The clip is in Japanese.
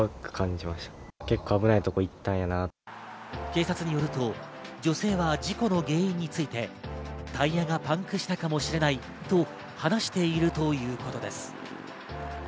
警察によると、女性は事故の原因について、タイヤがパンクしたかもしれないと話しているということです。